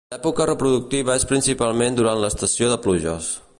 L'època reproductiva és principalment durant l'estació de pluges.